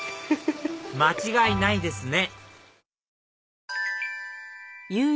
間違いないですね